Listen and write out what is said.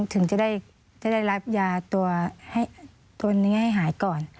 ถึงจะได้รับยาตัวนี้ให้หายก่อน